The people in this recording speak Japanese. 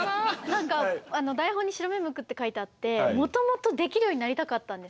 何か台本に「白目むく」って書いてあってもともとできるようになりたかったんですよ。